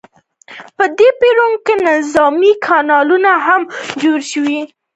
په دې پیړیو کې نظامي کلاګانې هم جوړې شوې.